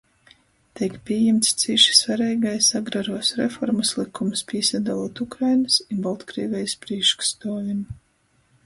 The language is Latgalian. Teik pījimts cīši svareigais Agraruos reformys lykums, pīsadolūt Ukrainys i Boltkrīvejis prīškstuovim,